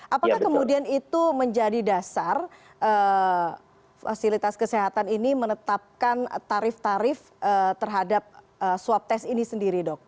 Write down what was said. apakah kemudian itu menjadi dasar fasilitas kesehatan ini menetapkan tarif tarif terhadap swab test ini sendiri dok